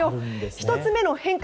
１つ目の変化